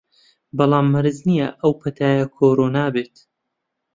بەڵام مەرج نییە ئەو پەتایە کۆرۆنا بێت